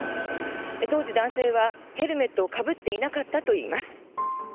当時、男性はヘルメットをかぶっていなかったといいます。